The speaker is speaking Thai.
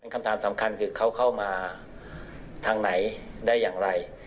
คำถามสำคัญคือเขาเข้ามาทางไหนได้อย่างไร